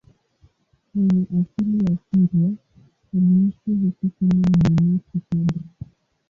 Mwenye asili ya Syria, aliishi huko kama mmonaki padri.